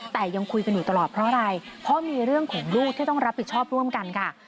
แต่ยังคุยกันอยู่ตลอดเพราะอะไรเพราะมีเรื่องของลูกที่ต้องรับผิดชอบร่วมกันค่ะ